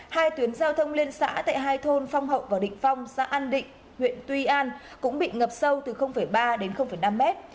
hai tuyến giao thông liên xã tại hai thôn phong hậu và định phong xã an định huyện tuy an cũng bị ngập sâu từ ba đến năm mét